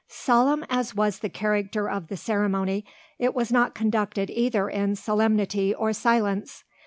Solemn as was the character of the ceremony, it was not conducted either in solemnity or silence.